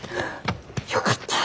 よかった。